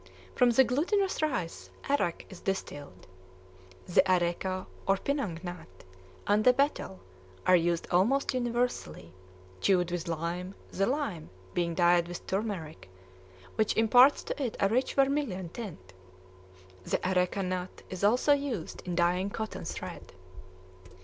From the glutinous rice arrack is distilled. The areca, or pinang nut, and the betel, are used almost universally, chewed with lime, the lime, being dyed with turmeric, which imparts to it a rich vermilion tint; the areca nut is also used in dying cotton thread.